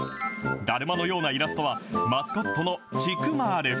だるまのようなイラストは、マスコットのちくまる。